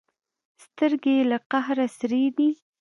سترګې یې له قهره سرې دي.